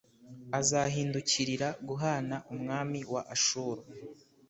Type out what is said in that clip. azahindukirira guhana umwami wa Ashuru